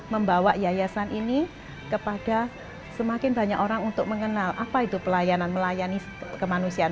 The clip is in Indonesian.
membawa yayasan ini kepada semakin banyak orang untuk mengenal apa itu pelayanan melayani kemanusiaan